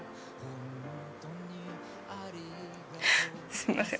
すいません。